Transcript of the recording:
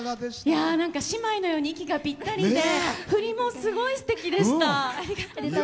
姉妹のように息がぴったりで振りもすごい、すてきでした。